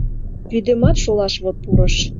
Вӱдемат шолаш вот пурыш.